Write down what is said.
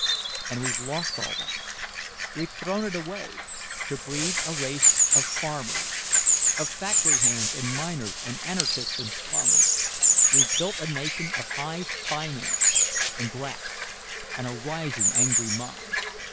And we've lost all that, we've thrown it away, to breed a race of farmers of factory hands and miners and anarchists in slums. We've built a nation of high finance and graft and a rising angry mob.